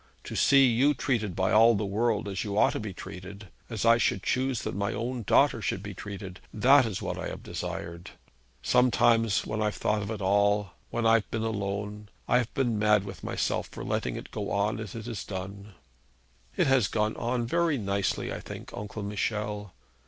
To see you treated by all the world as you ought to be treated, as I should choose that my own daughter should be treated, that is what I have desired. Sometimes when I've thought of it all when I've been alone, I have been mad with myself for letting it go on as it has done.' 'It has gone on very nicely, I think, Uncle Michel.'